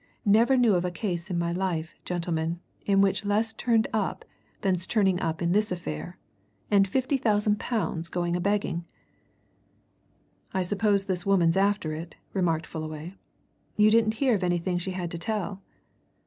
Never knew of a case in my life, gentlemen, in which less turned up than's turning up in this affair! And fifty thousand pounds going a begging!" "I suppose this woman's after it," remarked Fullaway. "You didn't hear of anything she had to tell?"